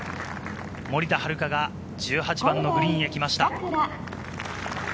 森田遥が１８番のグリーンへ来ました。